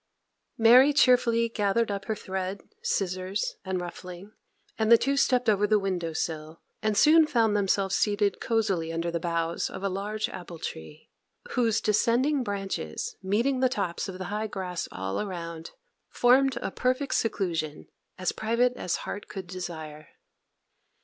Mary cheerfully gathered up her thread, scissors, and ruffling, and the two stepped over the window sill, and soon found themselves seated cozily under the boughs of a large apple tree, whose descending branches, meeting the tops of the high grass all around, formed a perfect seclusion, as private as heart could desire.